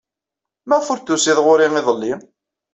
Maɣef ur d-tusid ɣer-i iḍelli?